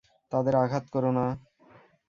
তাদের আঘাত করো না।